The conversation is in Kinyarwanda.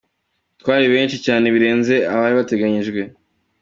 Twari benshi cyane birenze abari bateganyijwe.